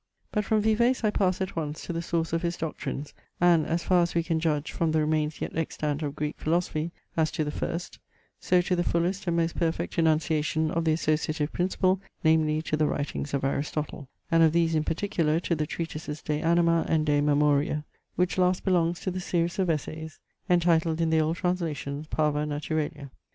But from Vives I pass at once to the source of his doctrines, and (as far as we can judge from the remains yet extant of Greek philosophy) as to the first, so to the fullest and most perfect enunciation of the associative principle, namely, to the writings of Aristotle; and of these in particular to the treatises De Anima, and "De Memoria," which last belongs to the series of essays entitled in the old translations Parva Naturalia.